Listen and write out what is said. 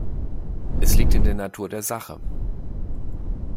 Es liegt in der Natur der Sache.